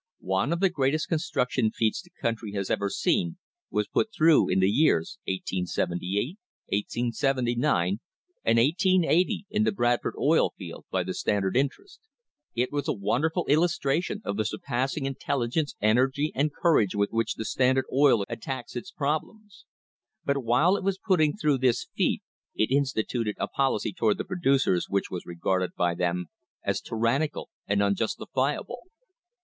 One of the greatest construction feats the country has ever seen was put through in the years 1878, 1879 and 1880 in the Bradford oil field by the Standard interests. It was a wonder ful illustration of the surpassing intelligence, energy and courage with which the Standard Oil Company attacks its problems. But while it was putting through this feat it insti tuted a policy toward the producers which was regarded by them as tyrannical and unjustifiable.